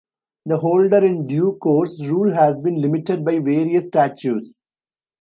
The holder in due course rule has been limited by various statutes.